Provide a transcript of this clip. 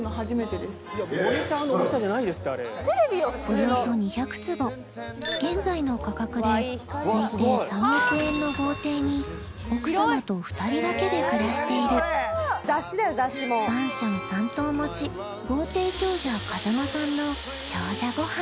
およそ２００坪現在の価格で推定３億円の豪邸に奥様と２人だけで暮らしているマンション３棟持ち豪邸長者うわ。